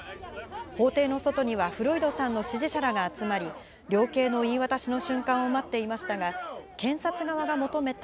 法廷の外には、フロイドさんの支持者らが集まり、量刑の言い渡しの瞬間を待っていましたが、検察側が求めた